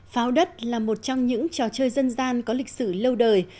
pháo đất là một trong những trò chơi dân gian có lịch sử lâu đời